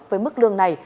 với mức lương này